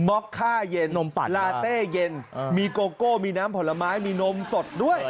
็อกค่าเย็นลาเต้เย็นมีโกโก้มีน้ำผลไม้มีนมสดด้วย